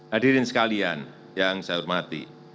hadirin sekalian yang saya hormati